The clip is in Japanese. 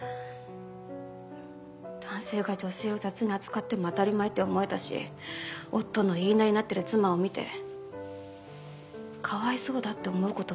男性が女性を雑に扱っても当たり前って思えたし夫の言いなりになってる妻を見てかわいそうだって思う事もなかった。